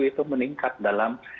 itu meningkat dalam